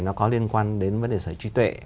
nó có liên quan đến vấn đề sở trí tuệ